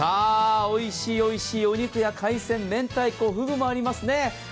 おいしいおいしいお肉や海鮮、めんたいこ、ふぐもありますね。